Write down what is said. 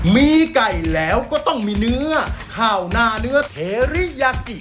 มีไก่แล้วก็ต้องมีเนื้อข้าวหน้าเนื้อเทริยากิ